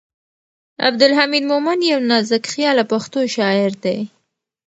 عبدالحمید مومند یو نازکخیاله پښتو شاعر دی.